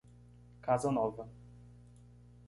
Casa Nova